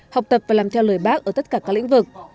học tập và làm theo lời bác ở tất cả các lĩnh vực